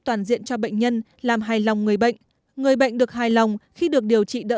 toàn diện cho bệnh nhân làm hài lòng người bệnh người bệnh được hài lòng khi được điều trị đỡ